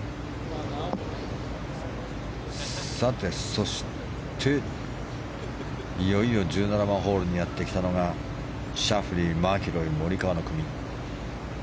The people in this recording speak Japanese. さて、そしていよいよ１７番ホールにやってきたのがシャフリー、マキロイモリカワの組。